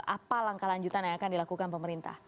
apa langkah lanjutan yang akan dilakukan pemerintah